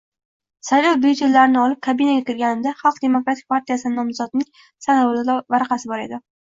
Saylov byulletenlarini olib, kabinaga kirganimda, Xalq demokratik partiyasidan nomzodning saylovoldi varaqasi bor edi